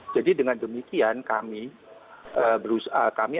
jadi dengan demikian kami